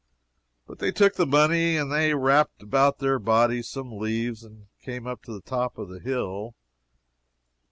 But they took the money, and they wrapped about their bodies some leaves, and came up to the top of the hill.